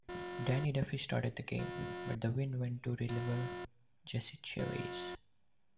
Danny Duffy started the game, but the win went to reliever Jesse Chavez.